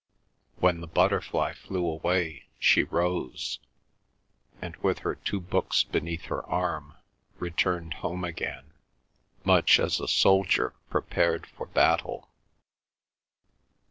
When the butterfly flew away, she rose, and with her two books beneath her arm returned home again, much as a soldier prepared for battle.